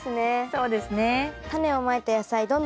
そうですね。